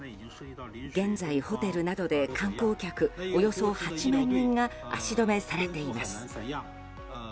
現在、ホテルなどで観光客およそ８万人が足止めされています。